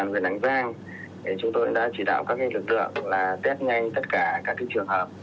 với lạng giang chúng tôi đã chỉ đạo các lực lượng là test nhanh tất cả các trường hợp